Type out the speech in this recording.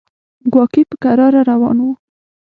کواګې په کراره روان و.